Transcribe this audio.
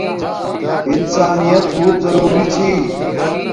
انسانیت بوت ضرولی چھی